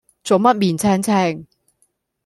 做乜面青青